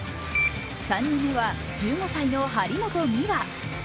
３人目は、１５歳の張本美和。